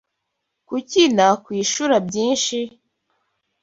Kuki nakwishura byinshi?